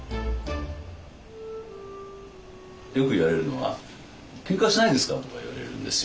よく言われるのは「ケンカしないですか？」とか言われるんですよ